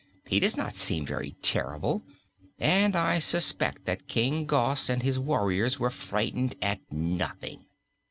He does not seem very terrible and I suspect that King Gos and his warriors were frightened at nothing."